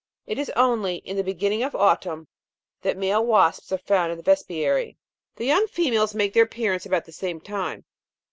It is only in the beginning of autumn that male wasps are found in the vespiary ; the young females make their appearance about the same time.